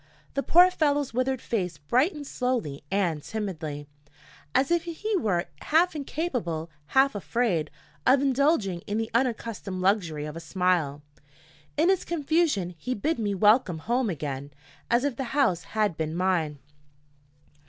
The poor fellow's withered face brightened slowly and timidly, as if he were half incapable, half afraid, of indulging in the unaccustomed luxury of a smile. In his confusion he bid me welcome home again, as if the house had been mine.